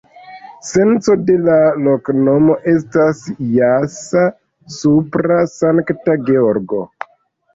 Senco de la loknomo estas: jasa-supra-Sankta-Georgo.